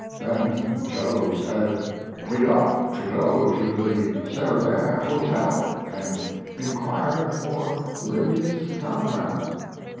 Then Joe said, "We ought to go to the Cervin Hotel and inquire for Livy's telegram."